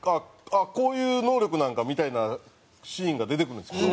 あこういう能力なのかみたいなシーンが出てくるんですけど。